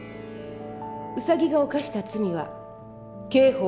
ウサギが犯した罪は刑法